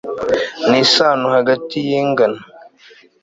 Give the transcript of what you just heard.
ni isano hagati yingana